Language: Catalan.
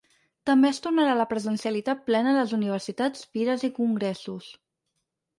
També es tornarà a la presencialitat plena a les universitats, fires i congressos.